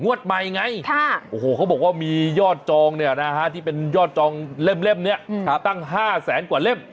ใหม่ไงโอ้โหเขาบอกว่ามียอดจองเนี่ยนะฮะที่เป็นยอดจองเล่มนี้ตั้ง๕แสนกว่าเล่ม